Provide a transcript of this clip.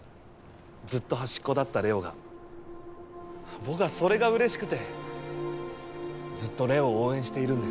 ずっと端っこだったれおが僕はそれがうれしくてずっとれおを応援しているんです